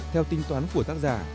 theo tinh toán của tác giả